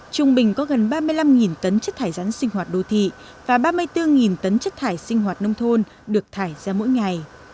trung bình có gần ba mươi năm tấn chất thải rắn sinh hoạt đô thị và ba mươi bốn tấn chất thải sinh hoạt nông thôn được thải ra mỗi ngày